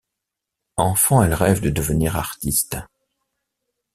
Enfant elle rêve de devenir artiste.